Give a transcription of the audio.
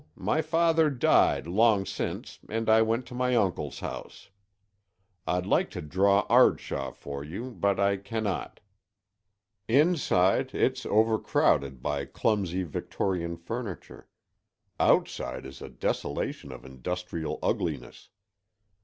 My father died long since and I went to my uncle's house. I'd like to draw Ardshaw for you, but I cannot. Inside, it's overcrowded by clumsy Victorian furniture; outside is a desolation of industrial ugliness.